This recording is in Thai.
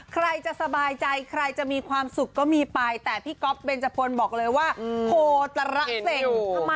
ใครจะสบายใจใครจะมีความสุขก็มีไปแต่พี่ก๊อฟเบนจพลบอกเลยว่าโคตระเซ็ง